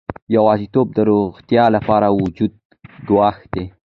یوازیتوب د روغتیا لپاره جدي ګواښ دی.